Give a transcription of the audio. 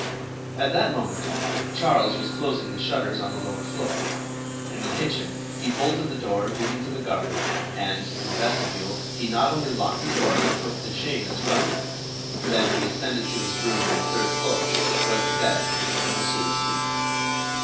At that moment, Charles was closing the shutters on the lower floor. In the kitchen, he bolted the door leading to the garden, and, in the vestibule, he not only locked the door but hooked the chain as well. Then he ascended to his room on the third floor, went to bed, and was soon asleep.